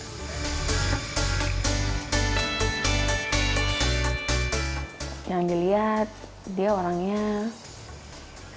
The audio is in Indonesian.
kami sudah mencari karyawan yang lebih baik